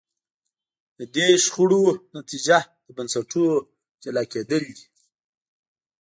د دې شخړو نتیجه د بنسټونو جلا کېدل دي.